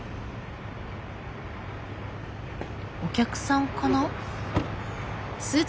お客さんかな？